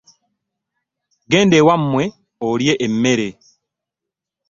Genda ewamwe olye emere